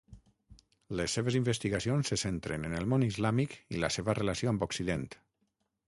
Les seves investigacions se centren en el món islàmic i la seva relació amb Occident.